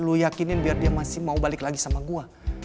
lu yakinin biar dia masih mau balik lagi sama gue